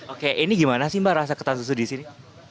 oke ini gimana sih mbak rasa ketan susu di sini